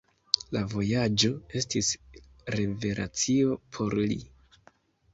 La vojaĝo estis revelacio por li.